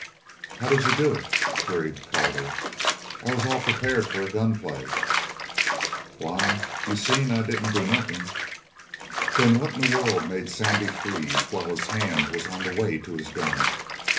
"How did you do it?" queried Calder. "I was all prepared for a gun play." "Why, you seen I didn't do nothin'." "Then what in the world made Sandy freeze while his hand was on the way to his gun?"